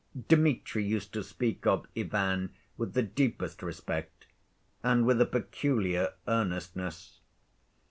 Dmitri used to speak of Ivan with the deepest respect and with a peculiar earnestness.